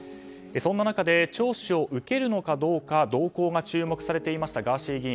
そんな中で聴取を受けるのかどうか動向が注目されていましたガーシー議員。